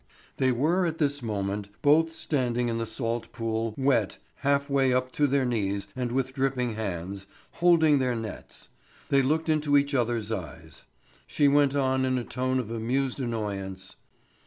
They were at this moment both standing in the salt pool wet half way up to their knees and with dripping hands, holding their nets. They looked into each other's eyes. She went on in a tone of amused annoyance.